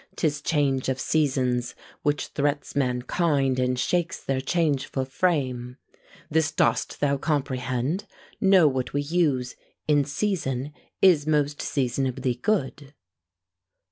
'Tis change of seasons Which threats mankind, and shakes their changeful frame. This dost thou comprehend? Know, what we use In season, is most seasonably good!